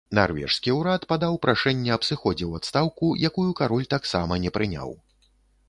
Нарвежскі ўрад падаў прашэнне аб сыходзе ў адстаўку, якую кароль таксама не прыняў.